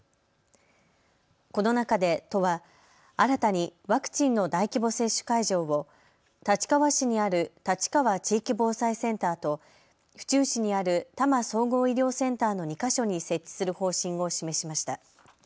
この中で都は新たにワクチンの大規模接種会場を立川市にある立川地域防災センターと府中市にある多摩総合医療センターの２か所に設置する方針を示しました。